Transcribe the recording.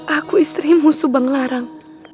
aku istrimu subang larang